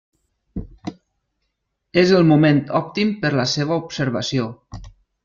És el moment òptim per a la seva observació.